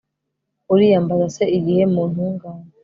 uriyambaza se iyihe mu ntungane